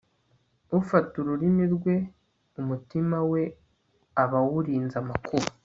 ufata ururimi rwe umutima we aba awurinze amakuba